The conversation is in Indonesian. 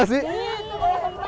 apa sih hal